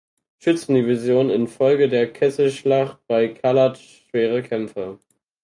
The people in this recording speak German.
Schützendivision infolge der Kesselschlacht bei Kalatsch schwere Kämpfe.